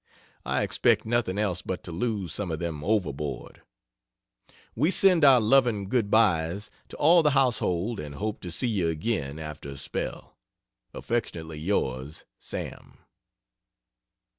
I expect nothing else but to lose some of them overboard. We send our loving good byes to all the household and hope to see you again after a spell. Affly Yrs. SAM.